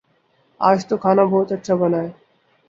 آج تو کھانا بہت اچھا بنا ہے